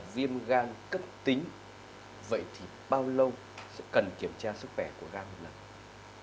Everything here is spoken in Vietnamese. viêm gan cấp tính vậy thì bao lâu sẽ cần kiểm tra sức khỏe của gan một lần